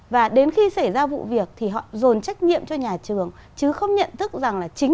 và đến khi xảy ra vụ việc thì họ dồn trách nhiệm cho nhà trường chứ không nhận thức rằng là chính